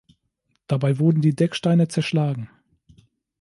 Dabei wurden die Decksteine zerschlagen.